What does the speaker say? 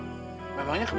lalu berita diisi kepadanya